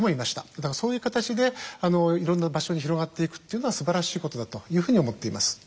だからそういう形でいろんな場所に広がっていくっていうのはすばらしいことだというふうに思っています。